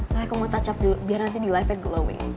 saya kok mau touch up dulu biar nanti di live nya glowing